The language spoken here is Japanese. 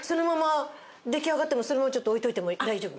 出来上がってもそのままちょっと置いておいても大丈夫？